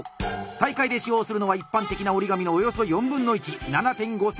大会で使用するのは一般的な折り紙のおよそ４分の１７．５センチ四方。